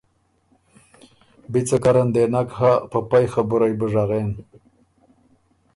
بی څه کر ان دې نک هۀ، په پئ خبُرئ بُو ژغېن